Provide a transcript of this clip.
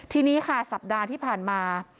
ทีนี้ค่ะสัปดาห์ที่ผ่านมา